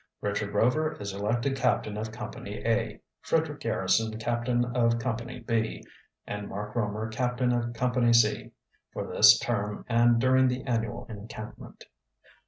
"Richard Rover is elected captain of Company A, Frederick Garrison captain of Company B, and Mark Romer captain of Company C, for this term and during the annual encampment."